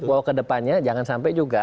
bahwa kedepannya jangan sampai juga